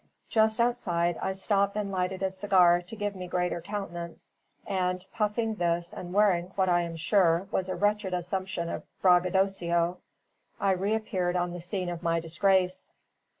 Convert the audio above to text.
Just outside, I stopped and lighted a cigar to give me greater countenance; and puffing this and wearing what (I am sure) was a wretched assumption of braggadocio, I reappeared on the scene of my disgrace.